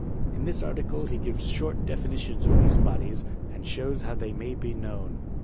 In this article he gives short definitions of these bodies, and shows how they may be known.